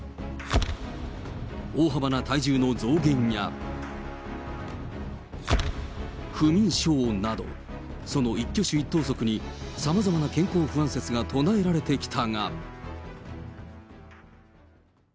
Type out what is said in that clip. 大幅な体重の増減や、不眠症など、その一挙手一投足に、さまざまな健康不安説が唱えられてきたが。